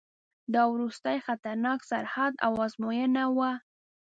دا وروستی خطرناک سرحد او آزموینه وه.